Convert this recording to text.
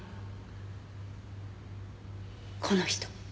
この人。